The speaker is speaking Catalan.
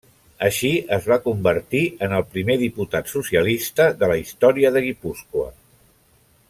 Així es va convertir en el primer diputat socialista de la història de Guipúscoa.